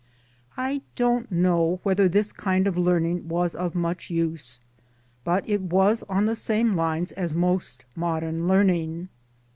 I don't know whether this kind of learning was of much use ; but it was on the same lines as most modern learning.